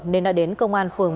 nên đã đến công an phường